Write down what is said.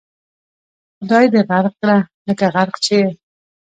خدای دې غرق کړه لکه غرق چې یې.